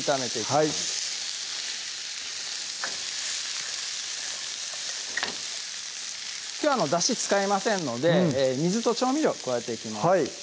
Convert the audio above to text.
きょうだし使いませんので水と調味料加えていきます